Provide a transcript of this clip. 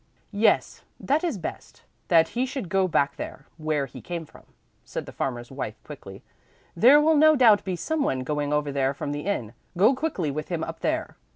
"Yes, that is best, that he should go back there, where he came from," said the farmer's wife quickly; "there will no doubt be someone going over there from the inn. Go quickly with him up there."